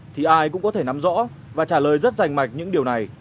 thì ai cũng có thể nắm rõ và trả lời rất rành mạch những điều này